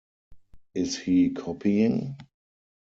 Is he copying?